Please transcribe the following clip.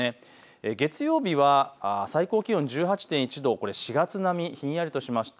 月曜日は最高気温１８．１度、４月並みひんやりとしました。